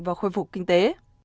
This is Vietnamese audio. và khôi phục kinh tế